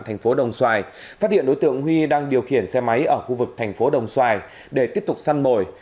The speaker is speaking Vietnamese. thành phố đồng xoài phát hiện đối tượng huy đang điều khiển xe máy ở khu vực thành phố đồng xoài để tiếp tục săn mồi